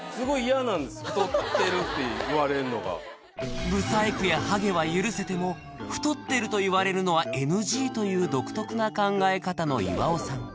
ちょっとすごい不細工やハゲは許せても太ってると言われるのはＮＧという独特な考え方の岩尾さん